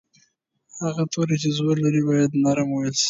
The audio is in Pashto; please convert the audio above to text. هغه توری چې زور لري باید نرم وویل شي.